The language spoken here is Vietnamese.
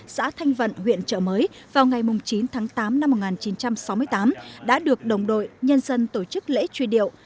xã thanh vận huyện trợ mới vào ngày chín tháng tám năm một nghìn chín trăm sáu mươi tám đã được đồng đội nhân dân tổ chức lễ truy điệu